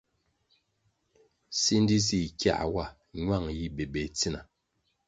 Sindi zih kiā wa, ñuang yi bébéh tsina.